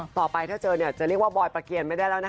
ต่อไปถ้าเจอเนี่ยจะเรียกว่าบอยประเกียรไม่ได้แล้วนะคะ